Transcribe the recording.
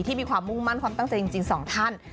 มีความมุ่งมั่นความตั้งใจจริงสองท่าน